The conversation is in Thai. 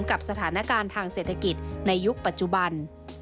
กับสถานการณ์ทางเศรษฐกิจในยุคปัจจุบัน